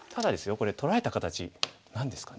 これ取られた形何ですかね